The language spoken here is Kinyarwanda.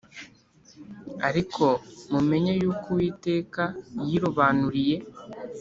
Ariko mumenye yuko Uwiteka yirobanuriye